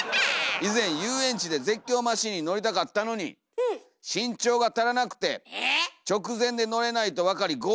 「以前遊園地で絶叫マシンに乗りたかったのに身長が足らなくて直前で乗れないと分かり号泣。